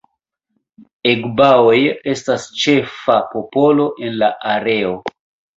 Egbaoj estas ĉefa popolo en la areo.